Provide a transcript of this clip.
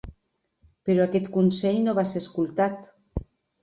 Però aquest consell no va ser escoltat.